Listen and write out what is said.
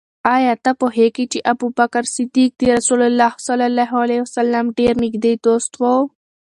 آیا ته پوهېږې چې ابوبکر صدیق د رسول الله ص ډېر نږدې دوست و؟